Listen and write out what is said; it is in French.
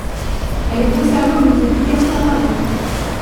Elle est conservée au musée Picasso, à Paris.